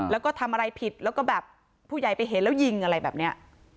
แล้วก็ทำอะไรผิดแล้วก็แบบผู้ใหญ่ไปเห็นแล้วยิงอะไรแบบนี้